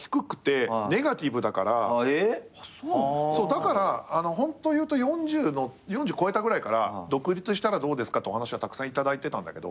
だからホント言うと４０越えたぐらいから独立したらどうですかってお話はたくさん頂いてたんだけど。